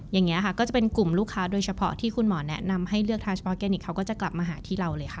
อย่างนี้ค่ะก็จะเป็นกลุ่มลูกค้าโดยเฉพาะที่คุณหมอแนะนำให้เลือกทานเฉพาะแกนิคเขาก็จะกลับมาหาที่เราเลยค่ะ